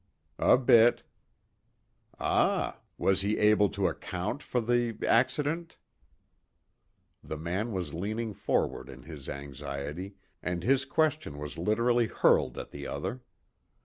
"A bit." "Ah. Was he able to account for the accident?" The man was leaning forward in his anxiety, and his question was literally hurled at the other.